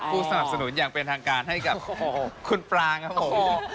สนับสนุนอย่างเป็นทางการให้กับคุณปรางครับผม